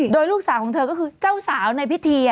โดยลูกสาวของเธอก็คือเจ้าสาวในพิธี